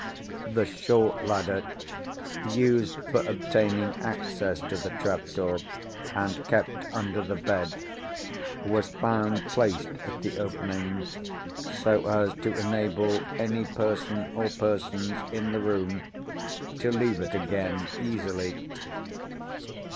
The short ladder, used for obtaining access to the trap door (and kept under the bed), was found placed at the opening, so as to enable any person or persons, in the room, to leave it again easily.